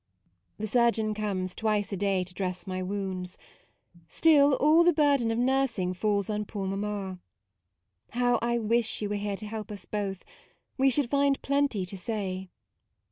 The surgeon comes twice a day to dress my wounds ; still all the burden of nursing falls on poor mamma. How I wish you were here to help us both ; we should find plenty to say.